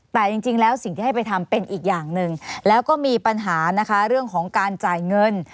แต่จริงแล้วสิ่งที่ให้ไปทำเป็นอีกอย่างหนึ่งแล้วก็มีปัญหานะคะเรื่องของการจ่ายเงิน